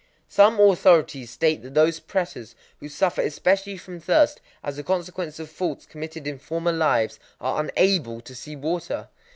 Some authorities state that those prêtas who suffer especially from thirst, as a consequence of faults committed in former lives, are unable to see water.